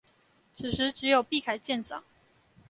此時只有畢凱艦長